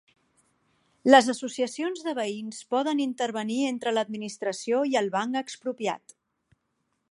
Les associacions de veïns poden intervenir entre l'administració i el Banc Expropiat